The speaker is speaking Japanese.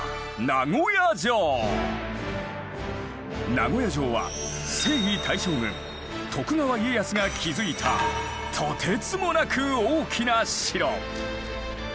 名古屋城は征夷大将軍徳川家康が築いたとてつもなく大きな城。